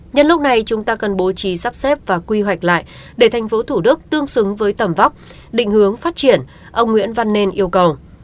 nhân lúc này chúng ta cần bố trí sắp xếp và quy hoạch lại để thành phố thủ đức tương xứng với tầm vóc định hướng phát triển ông nguyễn văn nên yêu cầu